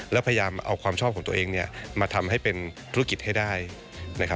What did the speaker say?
แล้วพยายามเอาความชอบของตัวเองมาทำให้เป็นธุรกิจให้ได้นะครับ